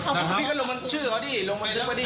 พี่ก็ลงมาชื่อเขาดีลงมาชื่อเขาดี